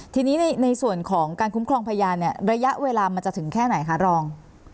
ทีนี้ในส่วนของการคุ้มครองพยานเนี่ยระยะเวลามันจะถึงแค่ไหนคะรอง